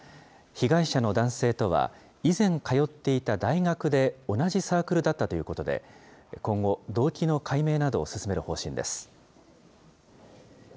被害者の男性とは以前通っていた大学で同じサークルだったということで、今後、動機の解明などを進める方針です。